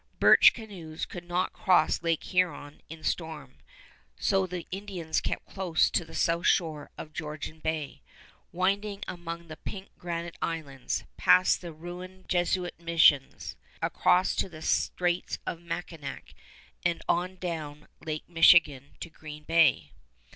Birch canoes could not cross Lake Huron in storm; so the Indians kept close to the south shore of Georgian Bay, winding among the pink granite islands, past the ruined Jesuit missions across to the Straits of Mackinac and on down Lake Michigan to Green Bay.